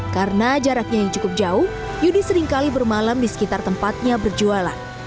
karena jaraknya yang cukup jauh yudi seringkali bermalam di sekitar tempatnya berjualan